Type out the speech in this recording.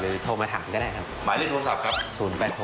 โทรมาถามก็ได้ครับหมายเลขโทรศัพท์ครับ๐๘๖